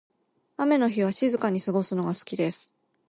雨の日は静かに過ごすのが好きです。